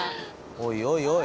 おいおいおい！